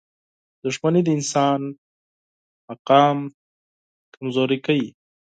• دښمني د انسان مقام کمزوری کوي.